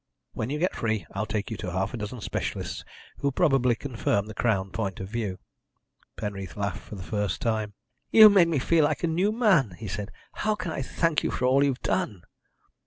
When you get free I'll take you to half a dozen specialists who'll probably confirm the Crown point of view." Penreath laughed for the first time. "You've made me feel like a new man," he said. "How can I thank you for all you have done?"